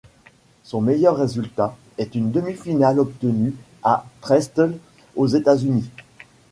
Son meilleur résultat est une demi-finale obtenue à Trestles, aux États-Unis.